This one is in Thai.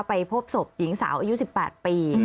ไปพบศพหญิงสาวอายุ๑๘ปี